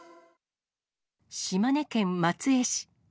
島根県松江市。